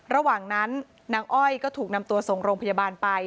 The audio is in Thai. ระหว่างนั้นนางอ้อยก็ถูกนำตัวส่งโรงพยาบาลไป